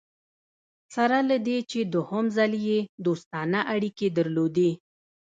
سره له دې چې دوهم ځل یې دوستانه اړیکي درلودې.